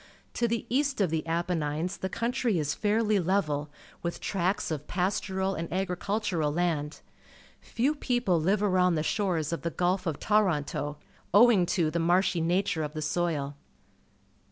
To the east of the Apennines the country is fairly level, mth tracts of pastoral and agricultural land. Few people Uve arovmd the shores of the Gulf of Toronto, owing to the marshy nature of the soil.